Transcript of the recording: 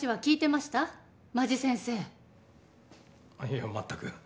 いえ全く。